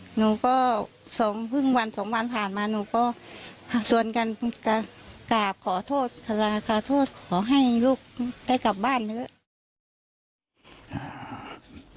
หนูก็สองเพิ่งวันสองวันผ่านมาหนูก็ชวนกันกราบขอโทษขอให้ลูกได้กลับบ้านเถอะ